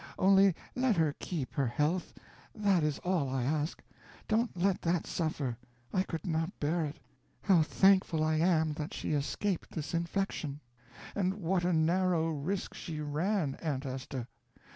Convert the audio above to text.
Only let her keep her health, that is all I ask. Don't let that suffer; I could not bear it. How thankful I am that she escaped this infection and what a narrow risk she ran, Aunt Hester!